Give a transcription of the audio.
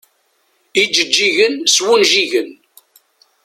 Ijeǧǧigen s wunjigen.